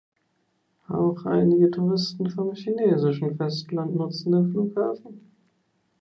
Auch einige Touristen vom chinesischen Festland nutzen den Flughafen.